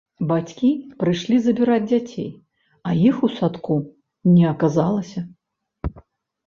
Бацькі прыйшлі забіраць дзяцей, а іх у садку не аказалася.